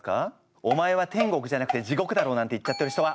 「お前は天国じゃなくて地獄だろ」なんて言っちゃってる人は！